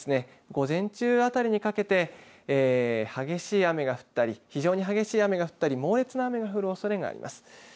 午前中あたりにかけて激しい雨が降ったり非常に雨が降ったり猛烈な雨が降るおそれがあります。